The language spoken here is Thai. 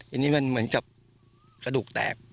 อันนี้มันเหมือนกับกระดูกแตก